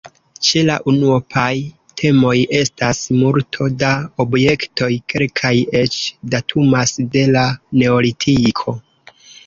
Ĉe la unuopaj temoj estas multo da objektoj; kelkaj eĉ datumas de la neolitiko.